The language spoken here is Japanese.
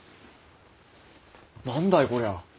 何だいこりゃ？